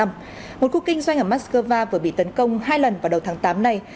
một cuộc kinh doanh ở mắc skơ va vừa bị tấn công hai lần vào đầu tháng tám này